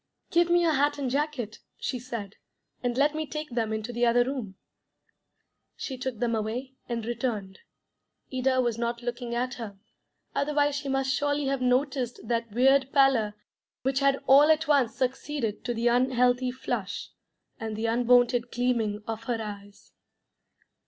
"Give me your hat and jacket," she said, "and let me take them into the other room." She took them away, and returned. Ida was not looking at her; otherwise she must surely have noticed that weird pallor which had all at once succeeded to the unhealthy flush, and the unwonted gleaming of her eyes.